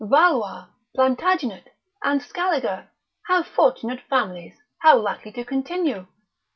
Valois, Plantagenet, and Scaliger how fortunate families, how likely to continue!